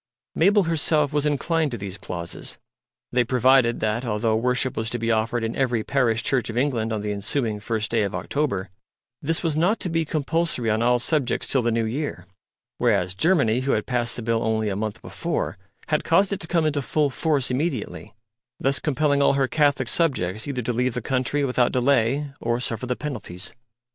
Mabel herself was inclined to these clauses. They provided that, although worship was to be offered in every parish church of England on the ensuing first day of October, this was not to be compulsory on all subjects till the New Year; whereas, Germany, who had passed the Bill only a month before, had caused it to come into full force immediately, thus compelling all her Catholic subjects either to leave the country without delay or suffer the penalties.